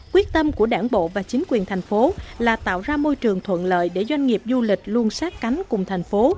quyết tâm của đảng bộ và chính quyền thành phố là tạo ra môi trường thuận lợi để doanh nghiệp du lịch luôn sát cánh cùng thành phố